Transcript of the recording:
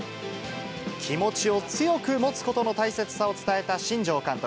気持ちを強く持つことの大切さを伝えた新庄監督。